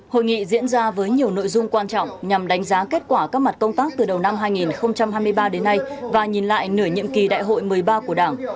hội nghị diễn ra với nhiều nội dung quan trọng nhằm đánh giá kết quả các mặt công tác từ đầu năm hai nghìn hai mươi ba đến nay và nhìn lại nửa nhiệm kỳ đại hội một mươi ba của đảng